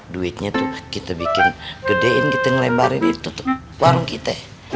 duitnya tuh kita bikin gedein kita ngelebarin tutup warung kita